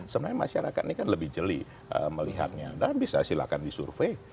sebenarnya masyarakat ini kan lebih jeli melihatnya dan bisa silahkan disurvey